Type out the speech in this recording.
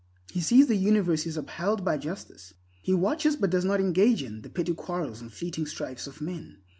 He sees the universe is upheld by justice. He watches, but does not engage in, the petty quarrels and fleeting strifes of men.